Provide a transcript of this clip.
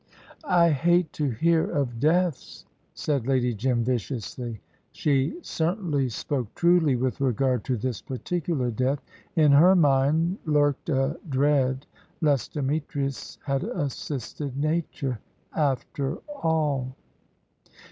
"I hate to hear of deaths," said Lady Jim, viciously. She certainly spoke truly with regard to this particular death. In her mind lurked a dread lest Demetrius had assisted nature, after all.